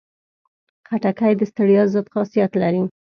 خټکی د ستړیا ضد خاصیت لري.